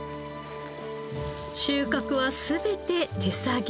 収穫は全て手作業。